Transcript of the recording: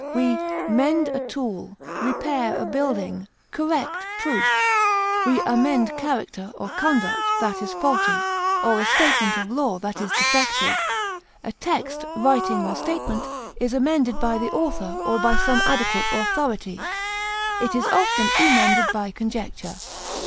We mend a tool, repair a building, correct proof; we amend character or conduct that is faulty, or a statement or law that is defective. A text, writing, or statement is amended by the author or by some adequate authority; it is often emended by conjecture.